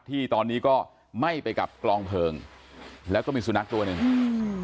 ที่ตอนนี้ก็ไหม้ไปกับกลองเพลิงแล้วก็มีสุนัขตัวหนึ่งอืม